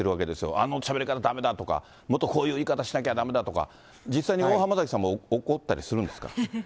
あのしゃべり方だめだとか、もっとこういう言い方しなきゃだめだとか、実際の大濱崎さんも怒ったりするんですか。